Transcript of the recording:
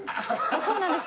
そうなんです。